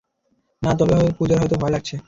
না, তবে পূজার হয়তো ভয় লাগছে।